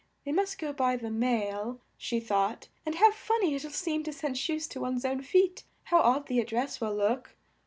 "They must go by the mail," she thought; "and how fun ny it'll seem to send shoes to one's own feet. How odd the ad dress will look!